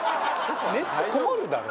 熱こもるだろ。